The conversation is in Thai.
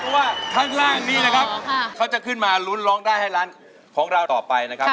เพราะว่าข้างล่างนี้นะครับเขาจะขึ้นมาลุ้นร้องได้ให้ร้านของเราต่อไปนะครับ